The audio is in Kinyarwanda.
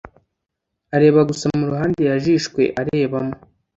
areba gusa mu ruhande yajishwe arebamo,